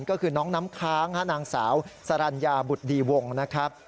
ก็คือน้องน้ำค้างนางสาวสรรญาบุตรดีวงนะครับ